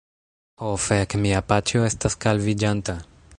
Ho fek', mia paĉjo estas kalviĝanta!